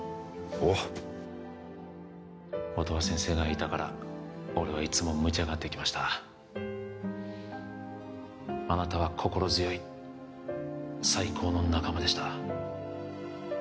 おう音羽先生がいたから俺はいつもムチャができましたあなたは心強い最高の仲間でした